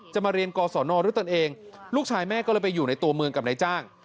มาเรียนกศนด้วยตนเองลูกชายแม่ก็เลยไปอยู่ในตัวเมืองกับนายจ้าง